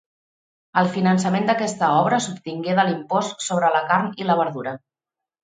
El finançament d'aquesta obra s'obtingué de l'impost sobre la carn i la verdura.